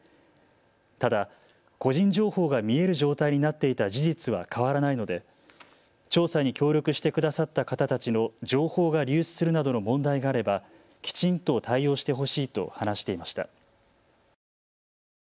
ただ個人情報が見える状態になっていた事実は変わらないので調査に協力してくださった方たちの情報が流出するなどの問題があればきちんと対応してほしいと話していました。